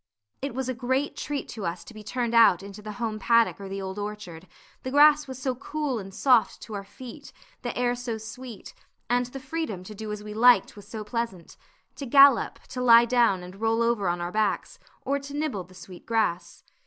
It was a great treat to us to be turned out into the home paddock or the old orchard; the grass was so cool and soft to our feet, the air so sweet, and the freedom to do as we liked was so pleasant to gallop, to lie down, and roll over on our backs, or to nibble the sweet grass.